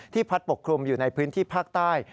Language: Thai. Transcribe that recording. พัดปกคลุมอยู่ในพื้นที่ภาคใต้